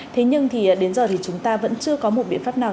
thế nhưng thì đến giờ thì chúng ta vẫn chưa có một biện pháp nào